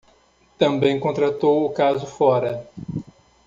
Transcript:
Também contratou o caso fora